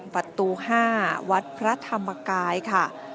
ประตู๕วัดพระธรรมกายค่ะ